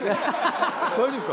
大丈夫です。